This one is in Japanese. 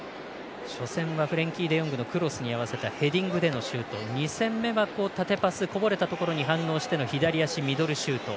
初戦はフレンキー・デヨングのクロスに合わせたヘディングでのシュート２戦目は縦パスこぼれたところに反応しての左足ミドルシュート。